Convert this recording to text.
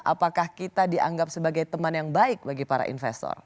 apakah kita dianggap sebagai teman yang baik bagi para investor